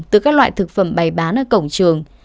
từ các loại thực phẩm bày bán ở cổng trường